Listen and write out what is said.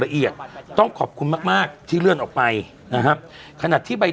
ละเอียดต้องขอบคุณมากมากที่เลื่อนออกไปนะครับขณะที่ใบ